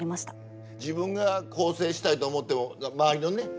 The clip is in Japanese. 自分が更生したいと思っても周りのね